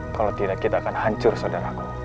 kalau tidak kita akan hancur saudaraku